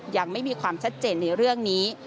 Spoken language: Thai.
ยังไม่มีความชัดเจนในเรื่องนี้